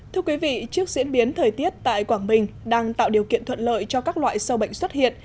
thưa quý vị trước diễn biến thời tiết tại quảng bình đang tạo điều kiện thuận lợi cho các loại sâu bệnh xuất hiện